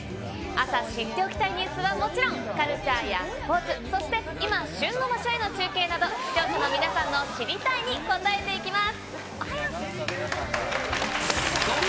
朝知っておきたいニュースはもちろん、カルチャーやスポーツ、そして今旬の場所への中継など、視聴者の皆さんの知りたいに応えていきます。